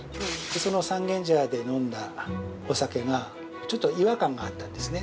その三軒茶屋で飲んだお酒がちょっと違和感があったんですね。